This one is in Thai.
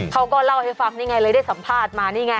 เขาก็เล่าให้ฟังนี่ไงเลยได้สัมภาษณ์มานี่ไง